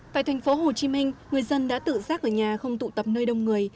tại thành phố hồ chí minh người dân đã tự rác về nhà không tụ tập nơi đông người